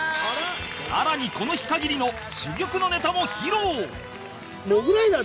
更にこの日限りの珠玉のネタも披露